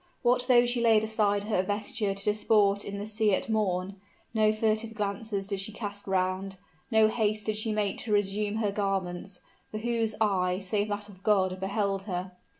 What though she laid aside her vesture to disport in the sea at morn? no furtive glances did she cast round; no haste did she make to resume her garments; for whose eye, save that of God, beheld her?